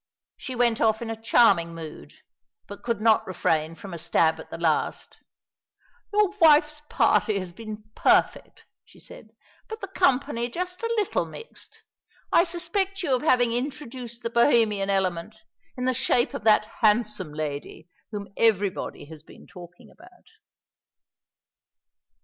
She went off in a charming mood, but could not refrain from a stab at the last. "Your wife's party has been perfect," she said, "but the company just a little mixed. I suspect you of having introduced the Bohemian element, in the shape of that handsome lady whom everybody has been talking about."